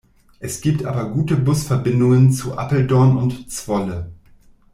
Es gibt aber gute Busverbindungen zu Apeldoorn und Zwolle.